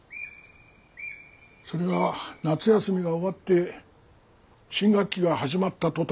それが夏休みが終わって新学期が始まった途端。